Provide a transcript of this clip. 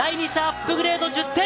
第２射アップグレード、１０点。